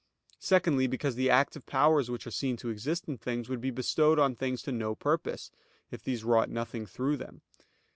Secondly, because the active powers which are seen to exist in things, would be bestowed on things to no purpose, if these wrought nothing through them.